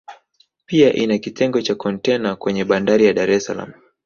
pia ina kitengo cha kontena kwenye Bandari ya Dar es Salaam